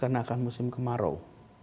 karena akan musim kemarau